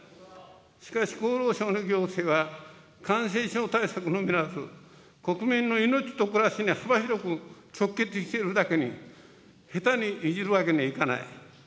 しかし厚労省の行政は感染症対策のみならず、国民の「いのち」と「くらし」に幅広く直結しているだけに、下手にいじるわけにはいかない。